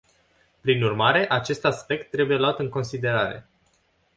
Prin urmare, acest aspect trebuie luat în considerare.